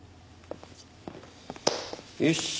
よし。